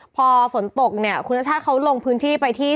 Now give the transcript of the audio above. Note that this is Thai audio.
พอฝนตกเนี่ยคุณศัฏรเขารงพื้นที่จะต้องไปที่